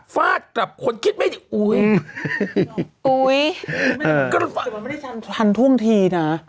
ฟ้าตรับคนคิดไม่ดี๖